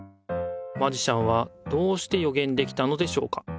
マジシャンはどうしてよげんできたのでしょうか。